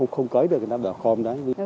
không cấy được người ta bỏ khòm